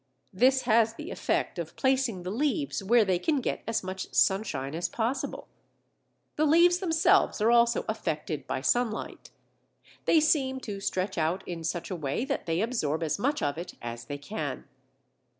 This has the effect of placing the leaves where they can get as much sunshine as possible. The leaves themselves are also affected by sunlight. They seem to stretch out in such a way that they absorb as much of it as they can.